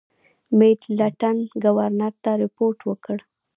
میډلټن ګورنرجنرال ته رپوټ ورکړ.